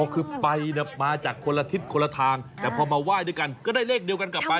คือไปมาจากคนละทิศคนละทางแต่พอมาไหว้ด้วยกันก็ได้เลขเดียวกันกลับไป